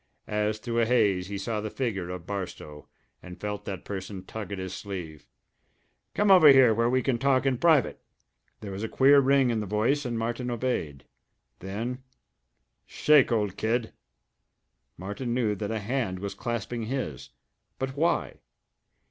As through a haze he saw the figure of Barstow, and felt that person tug at his sleeve. "Come over here, where we can talk in private!" There was a queer ring in the voice and Martin obeyed. Then "Shake, Old Kid!" Martin knew that a hand was clasping his. But why?